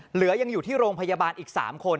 เหลือยังอยู่ที่โรงพยาบาลอีก๓คน